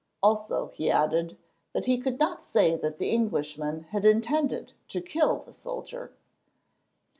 Also, he added, that he could not say that the Englishman had intended to kill the soldier.